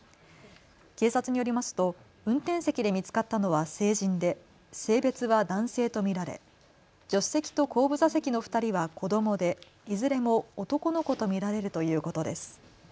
警察によりますと運転席で見つかったのは成人で性別は男性と見られ助手席と後部座席の２人は子どもで、いずれも男の子と見られるということです。